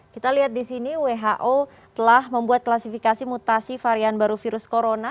kita lihat di sini who telah membuat klasifikasi mutasi varian baru virus corona